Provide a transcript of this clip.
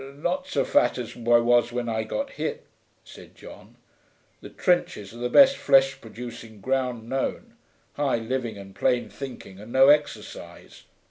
'N not so fat as I was when I got hit,' said John. 'The trenches are the best flesh producing ground known; high living and plain thinking and no exercise.